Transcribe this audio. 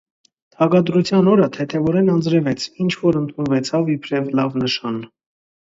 Թագադրութեան օրը՝ թեթեւօրէն անձրեւեց, ինչ որ ընդունուեցաւ իբրեւ լաւ նշան։